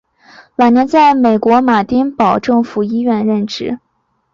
晚年在美国马丁堡政府医院任职。